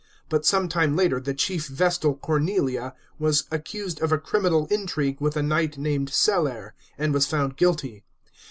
But some time later the chief Vestal Cornelia was accused of a criminal intrigue with a knight named Celer, and was found guilty.